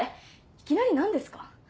いきなり何ですか？